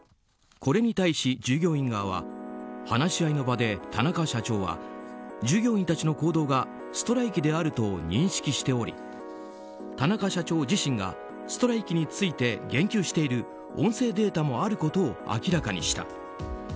これに対し、従業員側は話し合いの場で田中社長は従業員たちの行動がストライキであると認識しており田中社長自身がストライキについて言及している音声データもあることを明らかにした。